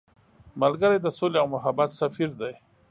ملګری د سولې او محبت سفیر دی